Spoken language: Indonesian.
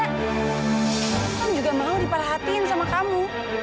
aku kan juga mau diparah hatiin sama kamu